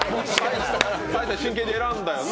大晴、真剣に選んだよな？